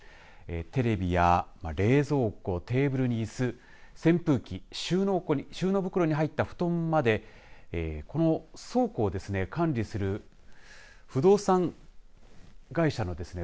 テレビや冷蔵庫、テーブルにいす扇風機、収納袋に入った布団までこの倉庫を管理する不動産会社のですね